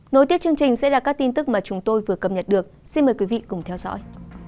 nối tiếp chương trình sẽ là các tin tức mà chúng tôi vừa cập nhật được xin mời quý vị cùng theo dõi